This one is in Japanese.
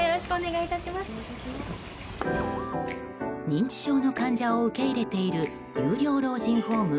認知症の患者を受け入れている有料老人ホーム